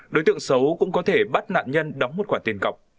đối tượng xấu cũng có thể bắt nạn nhân đóng một khoản tiền cọc